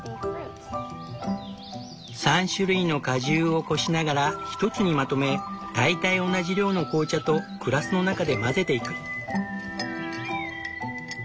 ３種類の果汁をこしながら一つにまとめ大体同じ量の紅茶とグラスの中で混ぜていく。